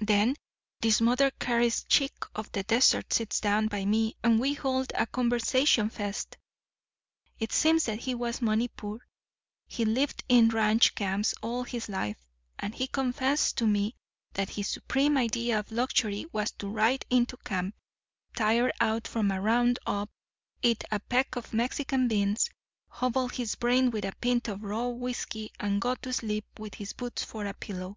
"Then this Mother Cary's chick of the desert sits down by me and we hold a conversationfest. It seems that he was money poor. He'd lived in ranch camps all his life; and he confessed to me that his supreme idea of luxury was to ride into camp, tired out from a round up, eat a peck of Mexican beans, hobble his brains with a pint of raw whisky, and go to sleep with his boots for a pillow.